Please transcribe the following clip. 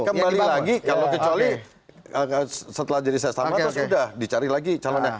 kembali lagi kalau kecuali setelah jadi sesama atau sudah dicari lagi calonnya